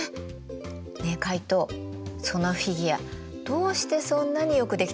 ねえカイトそのフィギュアどうしてそんなによく出来てるんだと思う？